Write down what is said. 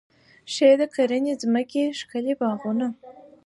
ښې د کرنې ځمکې، ښکلي باغونه